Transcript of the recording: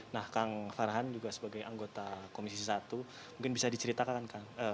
nah kang farhan juga sebagai anggota komisi satu mungkin bisa diceritakan kang